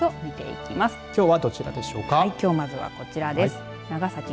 きょうはどちらでしょうか。